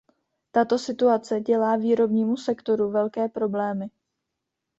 Tato situace dělá výrobnímu sektoru velké problémy.